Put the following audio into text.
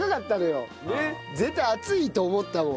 絶対暑いと思ったもん。